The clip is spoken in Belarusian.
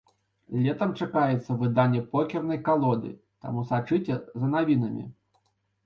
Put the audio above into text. Летам чакаецца выданне покернай калоды, таму сачыце за навінамі!